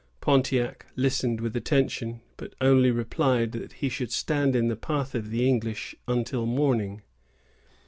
Pontiac listened with attention, but only replied that he should stand in the path of the English until morning.